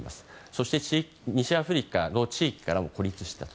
そして、西アフリカの地域からも孤立したと。